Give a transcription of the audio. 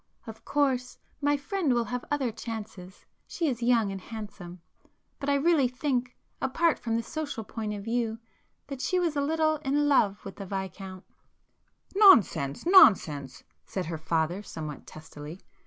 "Of course my friend will have other chances,—she is young and handsome—but I really think, apart from the social point of view, that she was a little in love with the Viscount——" [p 134]"Nonsense! nonsense!" said her father somewhat testily.